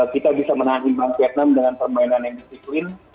kita bisa menahan imbang vietnam dengan permainan yang disiplin